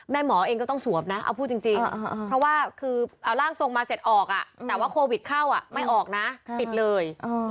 หมอเองก็ต้องสวมนะเอาพูดจริงเพราะว่าคือเอาร่างทรงมาเสร็จออกแต่ว่าโควิดเข้าไม่ออกนะติดเลย